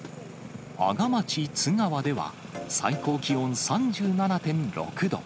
阿賀町津川では最高気温３７．６度。